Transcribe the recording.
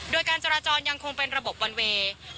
โดยการจราจรยังคงเป็นระบบวันเวย์